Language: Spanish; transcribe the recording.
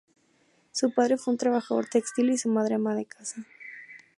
Su padre fue un trabajador textil y su madre ama de casa.